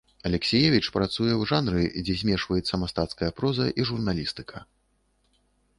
Алексіевіч працуе ў жанры, дзе змешваецца мастацкая проза і журналістыка.